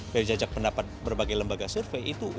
dari jajak pendapat berbagai lembaga survei itu